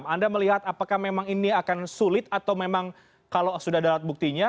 anda melihat apakah memang ini akan sulit atau memang kalau sudah ada alat buktinya